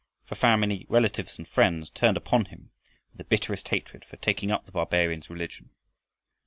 For family, relatives, and friends turned upon him with the bitterest hatred for taking up the barbarian's religion.